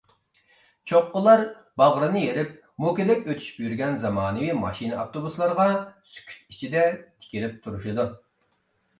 چوققىلار باغرىنى يېرىپ، موكىدەك ئۆتۈشۈپ يۈرگەن زامانىۋى ماشىنا-ئاپتوبۇسلارغا سۈكۈت ئىچىدە تىكىلىپ تۇرۇشىدۇ.